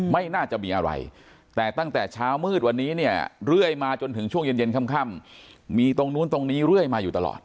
ไม่น่าจะมีอะไรแต่ตั้งแต่เช้ามืดวันนี้เนี่ยเรื่อยมาจนถึงช่วงเย็นค่ำมีตรงนู้นตรงนี้เรื่อยมาอยู่ตลอด